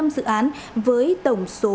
năm dự án với tổng số